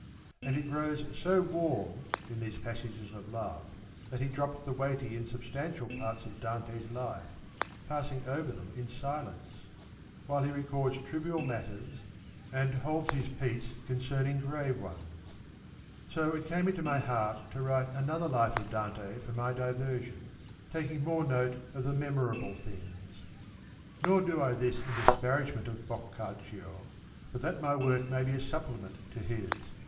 And he grows so warm in these passages of love that he drops the weighty and substantial parts of Dante's life, passing them over in silence, while he records trivial matters and holds his peace concerning grave 115 ones. So it came into my heart to write another life of Dante for my diversion, taking more note of the memorable things. Nor do I this in disparagement of Boccaccio, but that my work may be a supplement to his.